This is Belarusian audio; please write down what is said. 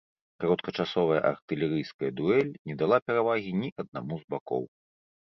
Кароткачасовая артылерыйская дуэль не дала перавагі ні аднаму з бакоў.